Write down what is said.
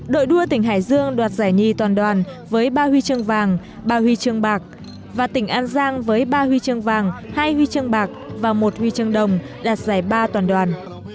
đội đua tỉnh hải dương đoạt giải nhi toàn đoàn với ba huy chương vàng ba huy chương bạc và tỉnh an giang với ba huy chương vàng hai huy chương bạc và một huy chương đồng đạt giải ba toàn đoàn